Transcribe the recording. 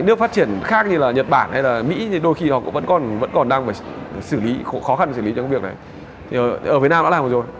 ở việt nam đã làm rồi rồi